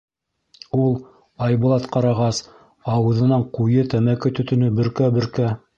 Ул, Айбулат ҡарағас, ауыҙынан ҡуйы тәмәке төтөнө бөркә-бөркә: